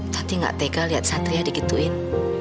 tante nggak tega lihat satria digituin